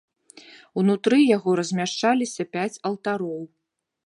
Унутры яго размяшчаліся пяць алтароў.